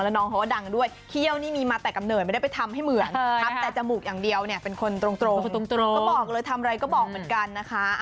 แล้วน้องเขาก็ดังด้วยเขี้ยวนี่มีมาแต่กำเนิดไม่ได้ไปทำให้เหมือนทำแต่จมูกอย่างเดียวเนี่ยเป็นคนตรงก็บอกเลยทำอะไรก็บอกเหมือนกันนะคะ